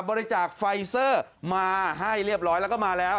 บริจาคไฟเซอร์มาให้เรียบร้อยแล้วก็มาแล้ว